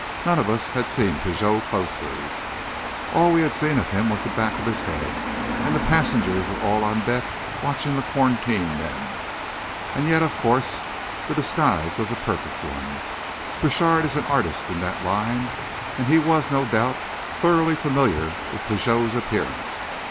None of us had seen Pigot closely; all we had seen of him was the back of his head; and the passengers were all on deck watching the quarantine men. And yet, of course, the disguise was a perfect one. Crochard is an artist in that line, and he was, no doubt, thoroughly familiar with Pigot's appearance.